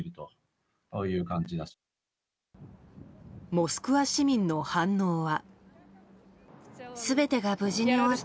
モスクワ市民の反応は。